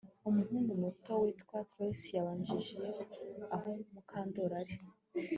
Umuhungu muto witwa Trix yambajije aho Mukandoli ari